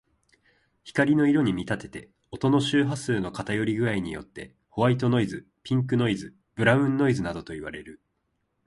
光の色に見立てて、音の周波数の偏り具合によってホワイトノイズ、ピンクノイズ、ブラウンノイズなどといわれる。